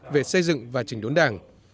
về xây dựng và chỉnh đốn đảng